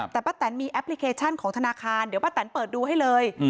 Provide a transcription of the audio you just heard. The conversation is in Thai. แต่ป้าแตนมีแอปพลิเคชันของธนาคารเดี๋ยวป้าแตนเปิดดูให้เลย